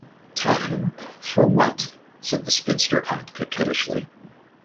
‘Time — for what?’ said the spinster aunt coquettishly.